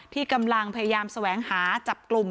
ที่กำลังพยายามแสวงหาจับกลุ่ม